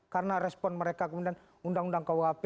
karena respon mereka kemudian undang undang khuap